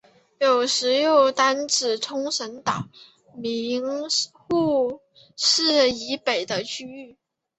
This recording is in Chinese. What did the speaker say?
有时又单指冲绳岛名护市以北的地域。